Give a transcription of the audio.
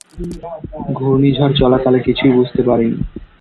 ঘূর্ণিঝড় চলাকালে কিছুই বুঝতে পারিনি।